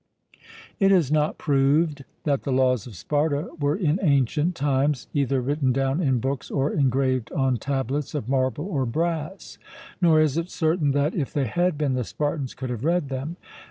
It is not proved that the laws of Sparta were in ancient times either written down in books or engraved on tablets of marble or brass. Nor is it certain that, if they had been, the Spartans could have read them.